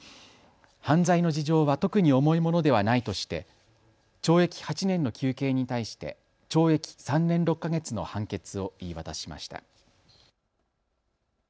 犯罪の事情は特に重いものではないとして懲役８年の求刑に対して懲役３年６か月の判決を言い渡しました。